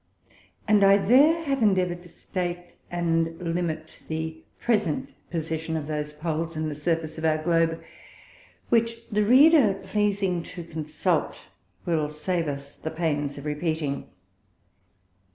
And I there have endeavour'd to state and limit the present Position of those Poles in the Surface of our Globe, which the Reader pleasing to consult, will save us the pains of repeating.